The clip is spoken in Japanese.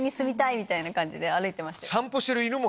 みたいな感じで歩いてました。